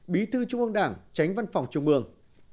bí thư trung ương đảng tránh văn phòng trung mương